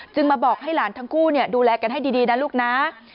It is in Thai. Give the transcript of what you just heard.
มาบอกให้หลานทั้งคู่ดูแลกันให้ดีนะลูกนะ